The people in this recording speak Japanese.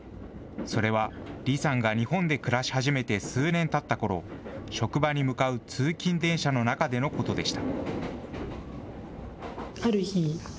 それは李さんが日本で暮らし始めて数年たったころ、職場に向かう通勤電車の中でのことでした。